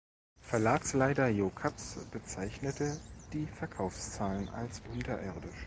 Verlagsleiter Jo Kaps bezeichnete die Verkaufszahlen als „unterirdisch“.